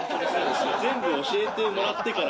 全部教えてもらってから。